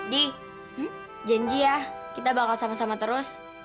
di janji ya kita bakal sama sama terus